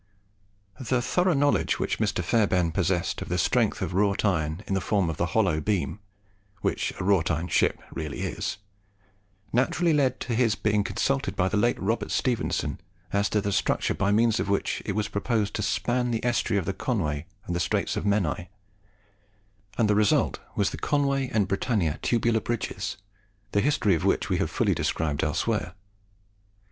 The thorough knowledge which Mr. Fairbairn possessed of the strength of wrought iron in the form of the hollow beam (which a wrought iron ship really is) naturally led to his being consulted by the late Robert Stephenson as to the structures by means of which it was proposed to span the estuary of the Conway and the Straits of Menai; and the result was the Conway and Britannia Tubular Bridges, the history of which we have fully described elsewhere.